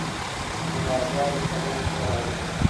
د بازار د چلند پوهه اړینه ده.